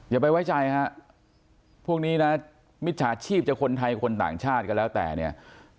อย่าไปไว้ใจฮะพวกนี้นะมิจฉาชีพจะคนไทยคนต่างชาติก็แล้วแต่เนี่ย